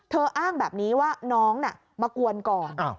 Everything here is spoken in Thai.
เธออ้างแบบนี้ว่าน้องมากวนก่อน